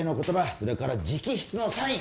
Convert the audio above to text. それから直筆のサイン